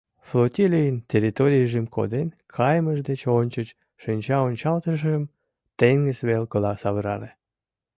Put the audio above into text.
Флотилийын территорийжым коден кайымыж деч ончыч шинчаончалтышыжым теҥыз велкыла савырале.